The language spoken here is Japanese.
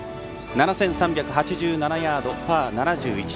７３８７ヤード、パー７１。